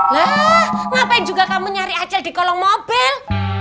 lah ngapain juga kamu nyari acil di kolong mobil